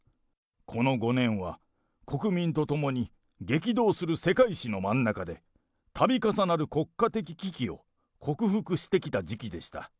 この５年は、国民と共に激動する世界史の真ん中で、たび重なる国家的危機を克服してきた時期でした。